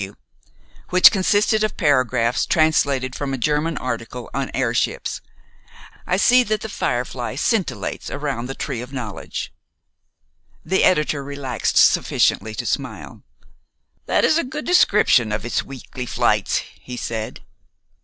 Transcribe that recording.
W.," which consisted of paragraphs translated from a German article on airships, "I see that 'The Firefly' scintillates around the Tree of Knowledge." The editor relaxed sufficiently to smile. "That is a good description of its weekly flights," he said.